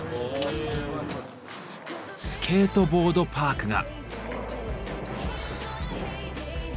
スケートボードパークが。